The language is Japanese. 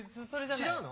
違うの？